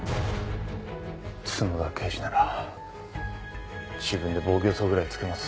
角田刑事なら自分で防御創ぐらいつけます。